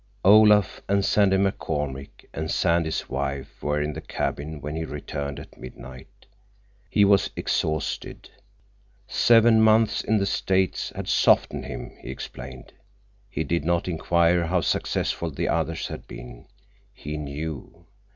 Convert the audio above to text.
Olaf and Sandy McCormick and Sandy's wife were in the cabin when he returned at midnight. He was exhausted. Seven months in the States had softened him, he explained. He did not inquire how successful the others had been. He knew.